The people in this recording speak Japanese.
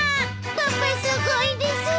パパすごいですー！